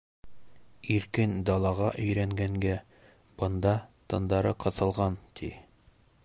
Иркен далаға өйрәнгәнгә бында тындары ҡыҫылған, ти.